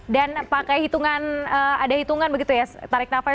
dan pakai hitungan ada hitungan begitu ya tarik nafas sepuluh detik